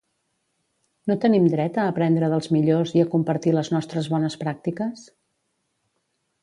No tenim dret a aprendre dels millors i a compartir les nostres bones pràctiques?